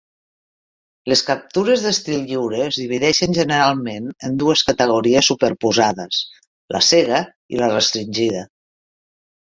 Les captures d"estil lliure es divideixen generalment en dues categories superposades: la cega i la restringida.